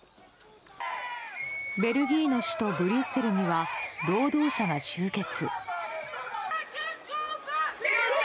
ベルギーの首都ブリュッセルには労働者が集結。